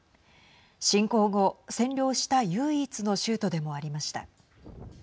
侵攻後、占領した唯一の州都でもありました。